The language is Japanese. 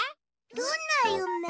どんなゆめ？